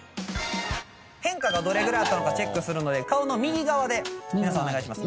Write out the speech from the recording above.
変化がどれぐらいあったのかチェックするので顔の右側で皆さんお願いします。